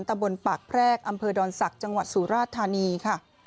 ตะบนปากแพรกอำเภอดอนศักดิ์จังหวัดสุราชธานีค่ะ